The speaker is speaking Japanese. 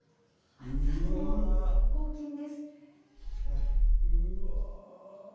熱々の合金です。